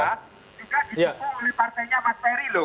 juga ditukung oleh partenya mas ferry loh